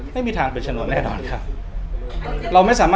ไม่มีทางเป็นชนวนแน่นอนครับ